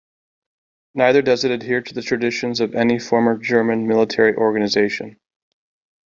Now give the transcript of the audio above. Neither does it adhere to the traditions of any former German military organization.